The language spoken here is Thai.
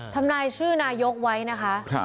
ทำนายชื่อนายกไว้นะคะ